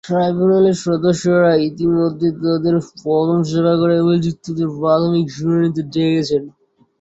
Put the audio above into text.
ট্রাইব্যুনালের সদস্যরা ইতিমধ্যে তাঁদের প্রথম সভা করে অভিযুক্তদের প্রাথমিক শুনানিতে ডেকেছেন।